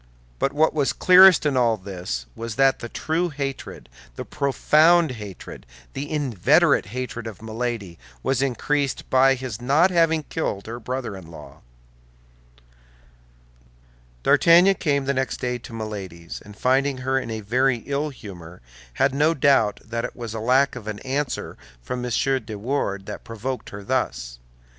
But what was clearest in all this was that the true hatred, the profound hatred, the inveterate hatred of Milady, was increased by his not having killed her brother in law. D'Artagnan came the next day to Milady's, and finding her in a very ill humor, had no doubt that it was lack of an answer from M. de Wardes that provoked her thus.